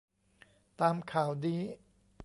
ตามข่าวนี้